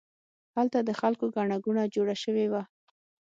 هلته د خلکو ګڼه ګوڼه جوړه شوې وه.